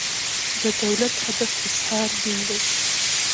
د دولت هدف اظهار دین دی.